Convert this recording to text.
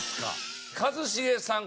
一茂さん